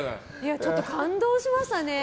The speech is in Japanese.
ちょっと感動しましたね。